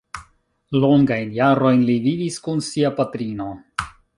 Longajn jarojn li vivis kun sia patrino.